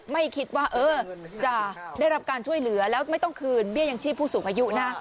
ไม่คิดว่าเออจะได้รับการช่วยเหลือแล้วไม่ต้องคืนเบี้ยยังชีพผู้สูงอายุนะ